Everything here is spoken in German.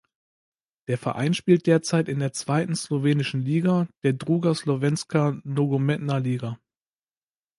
Der Verein spielt derzeit in der zweiten slowenischen Liga, der "Druga Slovenska Nogometna Liga".